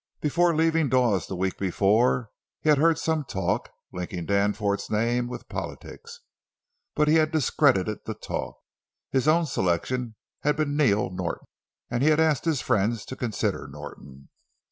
Before leaving Dawes the week before he had heard some talk, linking Danforth's name with politics, but he had discredited the talk. His own selection had been Neil Norton, and he had asked his friends to consider Norton.